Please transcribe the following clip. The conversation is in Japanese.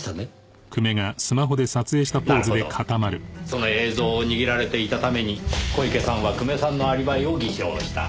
その映像を握られていたために小池さんは久米さんのアリバイを偽証した。